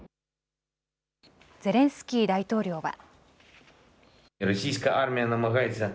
ゼレンスキー大統領は。